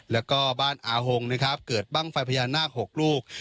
แล้วก็บ้านอาหงนะครับเกิดบ้างไฟพญานาค๖ลูก